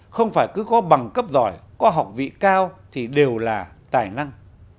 không phải cứ có bằng cấp giỏi có học vị cao thì đều là tài năng